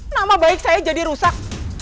nama baik saya jadi rusak